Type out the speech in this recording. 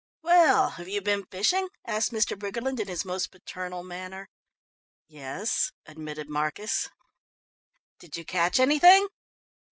"Well, have you been fishing?" asked Mr. Briggerland in his most paternal manner. "Yes," admitted Marcus. "Did you catch anything?"